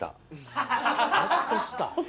ホッとした。